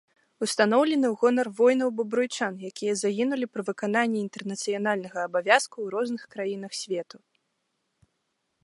Устаноўлены ў гонар воінаў-бабруйчан, якія загінулі пры выкананні інтэрнацыянальнага абавязку ў розных краінах свету.